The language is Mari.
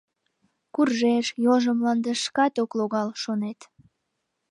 Куржеш, йолжо мландышкат ок логал, шонет.